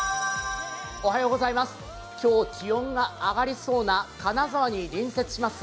今日、気温が上がりそうな金沢に隣接します